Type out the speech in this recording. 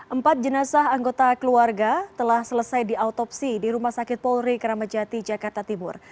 empat jenazah anggota keluarga telah selesai diautopsi di rumah sakit polri keramajati jakarta timur